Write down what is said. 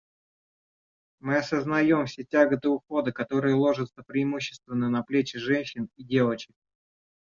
Мы осознаем все тяготы ухода, которые ложатся преимущественно на плечи женщин и девочек.